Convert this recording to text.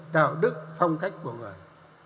đạo đức phong cách của người